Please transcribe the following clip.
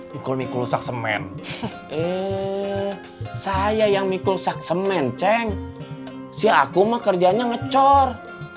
mikul mikul saksemen eh saya yang mikul saksemen ceng si akum kerjanya ngecor